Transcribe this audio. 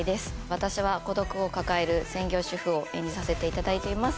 私は孤独を抱える専業主婦を演じさせていただいています。